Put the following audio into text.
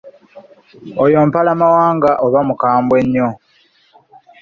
Oyo Mpalamawanga aba mukambwe nnyo.